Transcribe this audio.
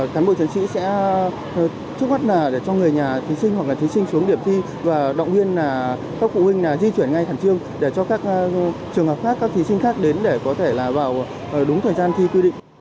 cán bộ chiến sĩ sẽ trước mắt là để cho người nhà thí sinh hoặc là thí sinh xuống điểm thi và động viên các phụ huynh di chuyển ngay khẩn trương để cho các trường hợp khác các thí sinh khác đến để có thể là vào đúng thời gian thi quy định